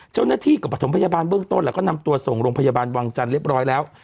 เจ้าหน้าที่ก็ประถมพยาบาลเบื้องต้นแล้วก็นำตัวส่งโรงพยาบาลวังจันทร์เรียบร้อยแล้ว